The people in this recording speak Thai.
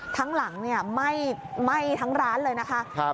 ทั้งหลังไหม้ทั้งร้านเลยนะคะ